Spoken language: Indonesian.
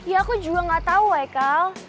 ya aku juga gak tau ekal